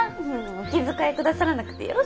お気遣いくださらなくてよろしいのに。